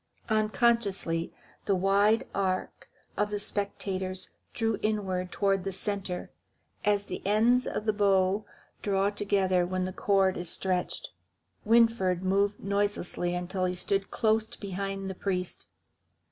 Unconsciously the wide arc of spectators drew inward toward the centre, as the ends of the bow draw together when the cord is stretched. Winfried moved noiselessly until he stood close behind the priest.